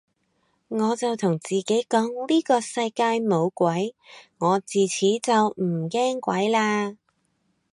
我就同自己講呢個世界冇鬼，我自此就唔驚鬼嘞